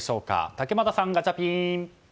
竹俣さん、ガチャピン！